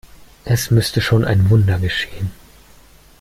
Es müsste schon ein Wunder geschehen.